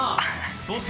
どうした？